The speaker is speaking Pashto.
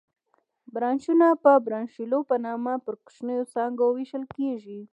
برانشونه په برانشیولونو په نامه پر کوچنیو څانګو وېشل کېږي.